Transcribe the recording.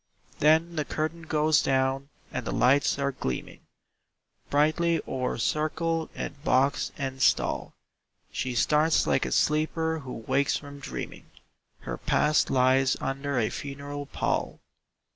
Then the curtain goes down and the lights are gleaming Brightly o'er circle and box and stall. She starts like a sleeper who wakes from dreaming Her past lies under a funeral pall.